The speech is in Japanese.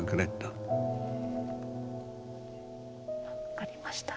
分かりました。